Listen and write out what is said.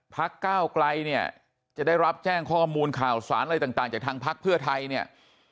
ก้าวไกลเนี่ยจะได้รับแจ้งข้อมูลข่าวสารอะไรต่างจากทางพักเพื่อไทยเนี่ย